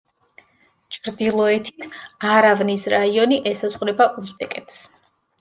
ჩრდილოეთით, არავნის რაიონი ესაზღვრება უზბეკეთს.